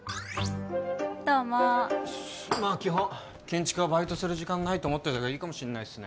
どうもまあ基本建築はバイトする時間ないと思っといた方がいいかもしんないっすね